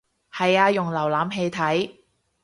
係啊用瀏覽器睇